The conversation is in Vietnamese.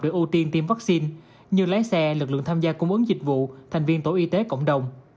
việc ưu tiên tiêm vaccine như lái xe lực lượng tham gia cung ứng dịch vụ thành viên tổ y tế cộng đồng